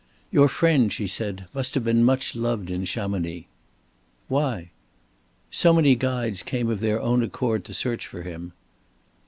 "Your friend," she said, "must have been much loved in Chamonix." "Why?" "So many guides came of their own accord to search for him."